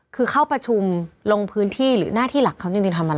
คือเข้าประชุมลงพื้นที่หรือหน้าที่หลักเขาจริงทำอะไร